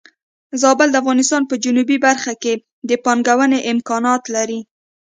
زابل د افغانستان په جنوبی برخه کې د پانګونې امکانات لري.